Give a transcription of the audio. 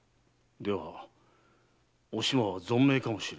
ではお島は存命かもしれんな。